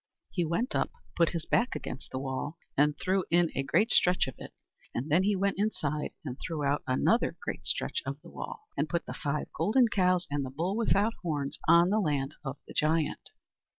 He went up, put his back against the wall, and threw in a great stretch of it; then he went inside and threw out another great stretch of the wall, and put the five golden cows and the bull without horns on the land of the giant.